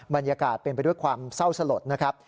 บรรยากาศเป็นไปด้วยความเศร้าสลดนะครับ